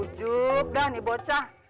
ujuk dah nih bocah